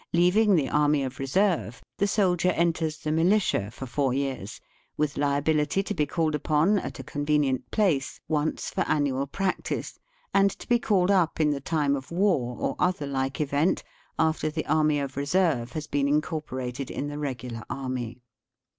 Leaving the army of reserve, the soldier enters the militia for four years, with liability to be called upon, at a convenient place, once for annual practice, and to be called up in the time of war or other like event, after the army of reserve has been incorporated in the regular army.